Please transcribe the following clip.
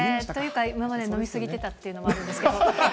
というか、今まで飲み過ぎてたっていうのがあるんですけど。